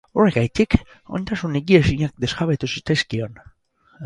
Horregatik, ondasun higiezinak desjabetu zitzaizkion.